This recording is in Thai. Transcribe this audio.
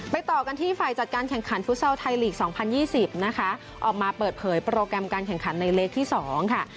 ต่อกันที่ฝ่ายจัดการแข่งขันฟุตซอลไทยลีก๒๐๒๐นะคะออกมาเปิดเผยโปรแกรมการแข่งขันในเล็กที่๒ค่ะ